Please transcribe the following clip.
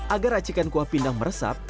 agar racikan kuah pindang meresap